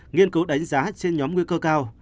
nghiên cứu đánh giá trên nhóm nguy cơ cao